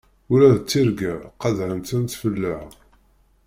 Ula d tirga qeḍεen-tent fell-aɣ!